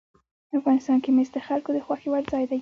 افغانستان کې مس د خلکو د خوښې وړ ځای دی.